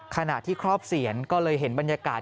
ขณะที่ครอบเสียนก็เลยเห็นบรรยากาศ